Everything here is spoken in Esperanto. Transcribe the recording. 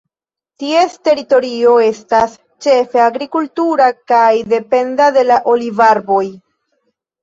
Ties teritorio estas ĉefe agrikultura kaj dependa de la olivarboj.